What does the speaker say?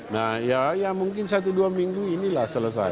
nah ya mungkin satu dua minggu inilah selesai